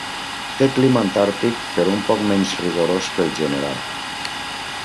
Té clima antàrtic però un poc menys rigorós que el general.